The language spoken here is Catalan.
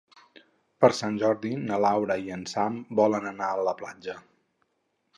Per Sant Jordi na Laura i en Sam volen anar a la platja.